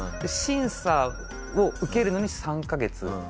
審査を受けるのに３カ月。